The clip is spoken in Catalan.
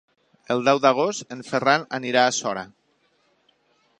El deu d'agost en Ferran anirà a Sora.